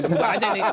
berubah aja nih